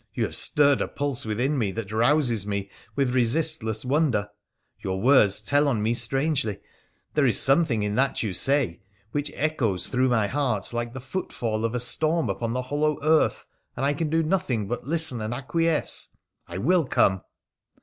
you have stirred a pulse within me that rouses me with resistless wonder ; your words tell on me strangely — there is something in that you say which echoes 328 WONDERFUL ADVENTURES OF through my heart like the footfall of a storm upon the hollow earth, and I can do nothing but listen and acquiesce. I will come